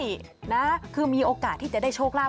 เวลาได้โอกาสที่จะได้โชคลาภ